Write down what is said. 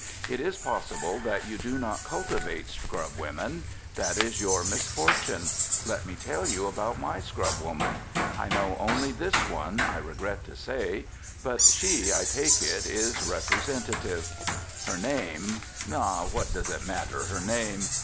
It is possible that you do not cultivate scrubwomen. That is your misfortune. Let me tell you about my scrubwoman. I know only this one, I regret to say, but she, I take it, is representative. Her name ah, what does it matter, her name?